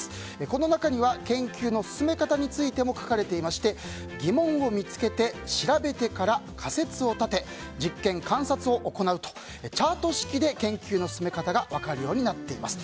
この中には研究の進め方についても書かれていまして疑問を見つけて調べてから仮説を立て、実験・観察を行うとチャート式で研究の進め方が分かるようになっています。